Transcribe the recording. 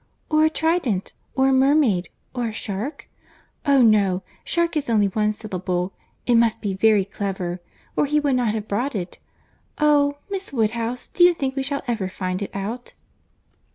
Or a trident? or a mermaid? or a shark? Oh, no! shark is only one syllable. It must be very clever, or he would not have brought it. Oh! Miss Woodhouse, do you think we shall ever find it out?"